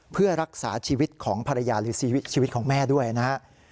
เพื่อรักษาชีวิตของภรรยาหรือชีวิตของแม่ด้วยนะครับ